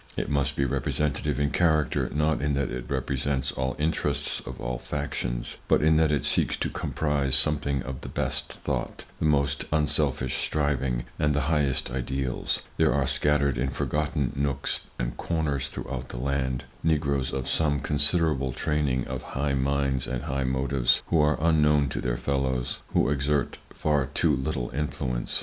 It must be representative in character; not in that it represents all interests or all factions, but in that it seeks to comprise something of the best thought, the most unselfish striving and the highest ideals. There are scattered in forgotten nooks and corners throughout the land, Negroes of some considerable training, of high minds, and high motives, who are unknown to their fellows, who exert far too little influence.